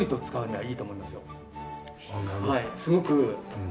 はい。